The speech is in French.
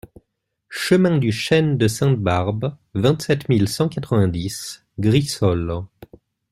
Chemin du Chêne de Sainte-Barbe, vingt-sept mille cent quatre-vingt-dix Glisolles